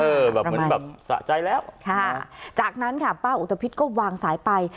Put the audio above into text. แบบเหมือนแบบสะใจแล้วค่ะจากนั้นค่ะป้าอุตภิษก็วางสายไป